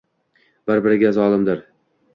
Bir-biriga zolimdir.